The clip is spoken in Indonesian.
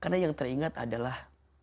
karena yang teringat adalah